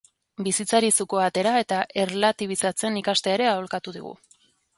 Bizitzari zukua atera eta erlatibizatzen ikastea ere aholkatu digu.